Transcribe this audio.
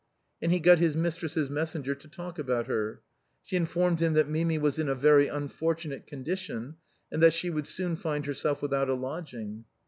And he got his mistress's messenger to talk about her. She informed him that Mimi was in a very unfortunate condition, and that she would soon find herself without a lodging.